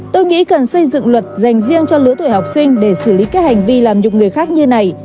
tôi nghĩ cần xây dựng luật dành riêng cho lứa tuổi học sinh để xử lý các hành vi làm nhục người khác như này